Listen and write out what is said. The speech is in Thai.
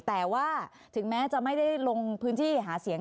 แต่ว่าถึงแม้จะไม่ได้ลงพื้นที่หาเสียง